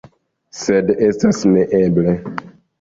Sed estas neeble.